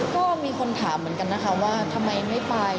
ก็มีคนถามเหมือนกันนะคะว่าทำไมไม่ไป